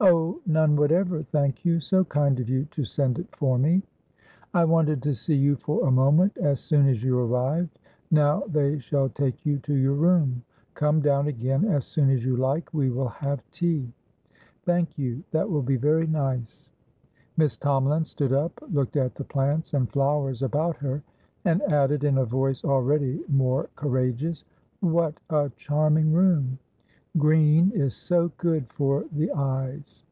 "Oh, none whatever, thank you! So kind of you to send it for me." "I wanted to see you for a moment, as soon as you arrived. Now they shall take you to your room. Come down again as soon as you like; we will have tea." "Thank you; that will be very nice." Miss Tomalin stood up, looked at the plants and flowers about her, and added in a voice already more courageous: "What a charming room! Green is so good for the eyes."